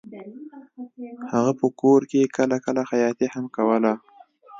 هغه په کور کې کله کله خیاطي هم کوله